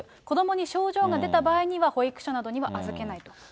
子どもに症状が出た場合には、保育所などには預けないと。